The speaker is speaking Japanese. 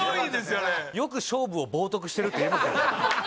あれよく勝負を冒涜してるって言えますよね